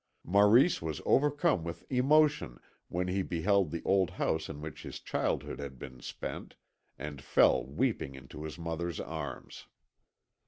Maurice was overcome with emotion when he beheld the old house in which his childhood had been spent, and fell weeping into his mother's arms.